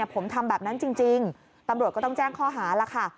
ผมทำแบบนั้นจริงตำรวจก็ต้องแจ้งข้อหาแล้วค่ะ